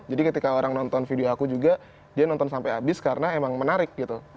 jadi ketika orang nonton video aku juga dia nonton sampai habis karena emang menarik gitu